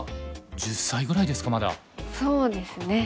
そうですね。